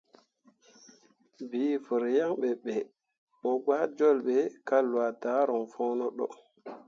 Bii vər yaŋ ɓe be, mo gbah jol ɓe ka lwa daruŋ voŋno də.